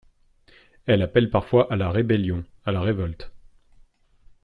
Elle appelle parfois à la rébellion, à la révolte.